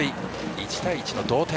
１対１の同点。